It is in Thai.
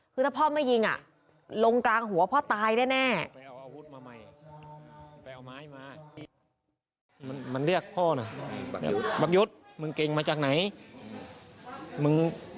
คือถ้าพ่อไม่ยิงลงกลางหัวพ่อตายแน่